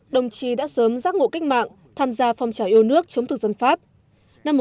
đồng chí đã sớm giác ngộ cách mạng tham gia phong trào yêu nước chống thực dân pháp